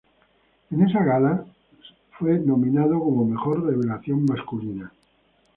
En esa gala fue nominado como mejor revelación masculina.